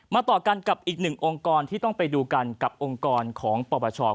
ต่อกันกับอีกหนึ่งองค์กรที่ต้องไปดูกันกับองค์กรของปปช